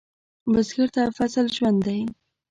بزګر ته فصل ژوند دی